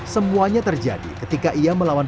semuanya terjadi ketika ia melawan